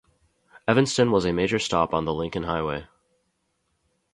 Evanston was a major stop on the Lincoln Highway.